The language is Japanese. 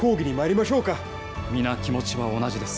皆気持ちは同じです。